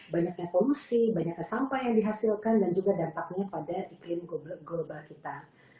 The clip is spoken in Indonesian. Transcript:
banyaknya polusi banyaknya sampah yang dihasilkan dan juga dampaknya pada iklim global kita